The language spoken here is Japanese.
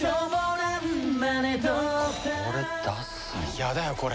嫌だよ、これ。